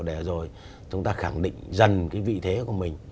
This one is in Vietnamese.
để rồi chúng ta khẳng định dần cái vị thế của mình